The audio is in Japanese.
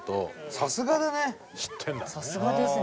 さすがですね。